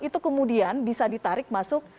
itu kemudian bisa ditarik masuk